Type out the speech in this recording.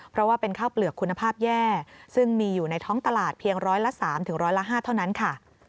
เพราะว่าเป็นข้าวเปลือกคุณภาพแย่ซึ่งมีอยู่ในท้องตลาดเพียงร้อยละ๓ร้อยละ๕เท่านั้นค่ะ